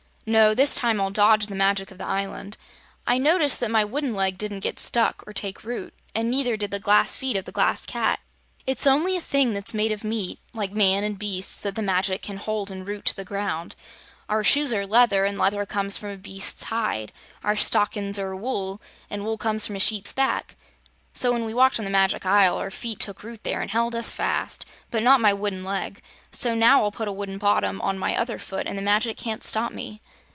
"No; this time I'll dodge the magic of the island. I noticed that my wooden leg didn't get stuck, or take root, an' neither did the glass feet of the Glass Cat. It's only a thing that's made of meat like man an' beasts that the magic can hold an' root to the ground. Our shoes are leather, an' leather comes from a beast's hide. Our stockin's are wool, an' wool comes from a sheep's back. So, when we walked on the Magic Isle, our feet took root there an' held us fast. But not my wooden leg. So now I'll put a wooden bottom on my other foot an' the magic can't stop me."